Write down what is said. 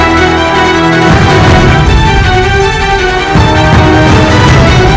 menantikan ke witches